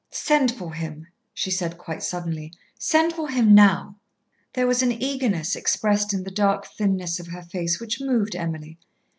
"Send for him," she said quite suddenly; "send for him now." There was an eagerness expressed in the dark thinness of her face which moved Emily.